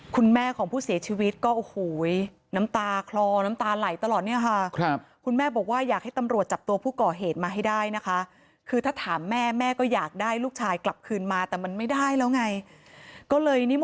คุณแม่ของผู้เสียชีวิตก็